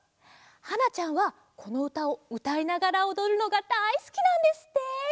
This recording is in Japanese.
はなちゃんはこのうたをうたいながらおどるのがだいすきなんですって！